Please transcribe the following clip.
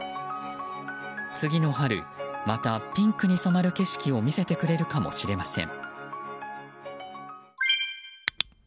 次の春またピンクに染まる景色を見せてくれるかもしれません。